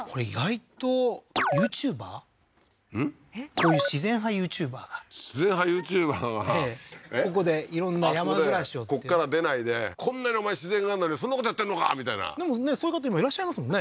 こういう自然派ＹｏｕＴｕｂｅｒが自然派ＹｏｕＴｕｂｅｒがここで色んな山暮らしをこっから出ないでこんなにお前自然があんのにそんなことやってんのかみたいなでもねそういう方今いらっしゃいますもんね